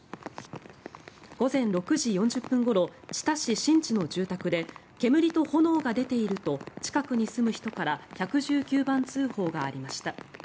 午前６時４０分ごろ知多市新知の住宅で煙と炎が出ていると近くに住む人から１１９番通報がありました。